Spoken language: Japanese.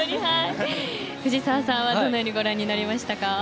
藤澤さんはどのようにご覧になりましたか？